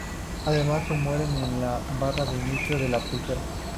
Además, se muestran en la Barra de Inicio de la pulsera.